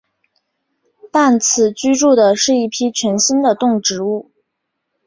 但此居住的是一批全新的动植物。